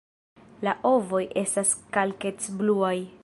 La ovoj estas kalkec-bluaj.